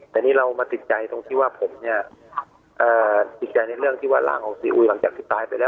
แต่นี่เรามาติดใจตรงที่ว่าผมเนี่ยติดใจในเรื่องที่ว่าร่างของซีอุยหลังจากที่ตายไปแล้ว